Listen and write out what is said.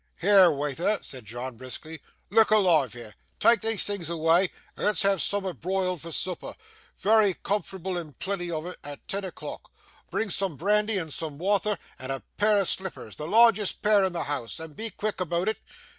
'Here, waither,' said John, briskly. 'Look alive here. Tak' these things awa', and let's have soomat broiled for sooper vary comfortable and plenty o' it at ten o'clock. Bring soom brandy and soom wather, and a pair o' slippers the largest pair in the house and be quick aboot it.